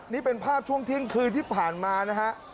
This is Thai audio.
นี่เป็นภาพช่วงเที่ยงคืนที่ผ่านมานะฮะ